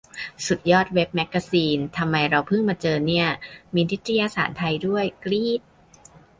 สุดยอดเว็บแม็กกาซีน ทำไมเราเพิ่งมาเจอเนี่ย ! มีนิตยสารไทยด้วย กรี๊ด !